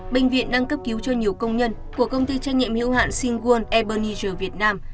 bệnh viện đang cấp cứu cho nhiều công nhân của công ty trách nhiệm hiệu hạn singuon ebenezer việt nam